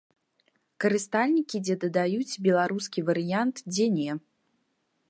Карыстальнікі дзе дадаюць беларускі варыянт, дзе не.